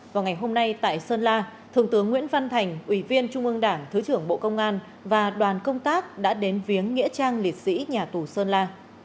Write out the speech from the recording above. vào ngày hôm nay tại sơn la thượng tướng nguyễn văn thành ủy viên trung ương đảng thứ trưởng bộ công an và đoàn công tác đã đến viếng nghĩa trang liệt sĩ nhà tù sơn la